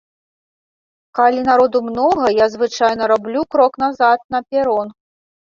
Калі народу многа, я звычайна раблю крок назад на перон.